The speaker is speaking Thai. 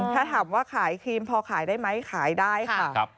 ถ้าถามว่าขายครีมพอขายได้ไหมขายได้ค่ะ